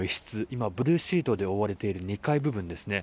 今ブルーシートで覆われている２階の部分ですね。